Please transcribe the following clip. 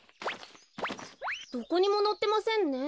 どこにものってませんね。